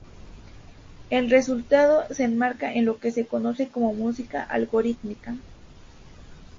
El resultado se enmarca en lo que se conoce como música algorítmica.